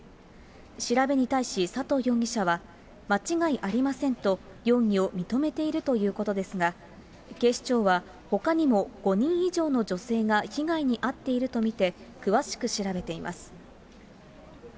調べに対し佐藤容疑者は、間違いありませんと容疑を認めているということですが、警視庁はほかにも５人以上の女性が被害に遭っていると見て、詳しく調べています。